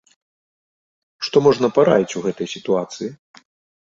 Што можна параіць у гэтай сітуацыі?